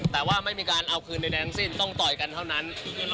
แต่ว่าไม่มีการเอาคืนใดทั้งสิ้นต้องต่อยกันเท่านั้น